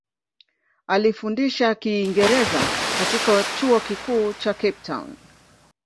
Alifundisha Kiingereza katika Chuo Kikuu cha Cape Town.